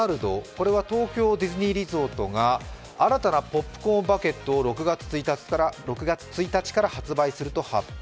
これは東京ディズニーリゾートが新たなポップコーンバケットを６月１日から発売すると発表。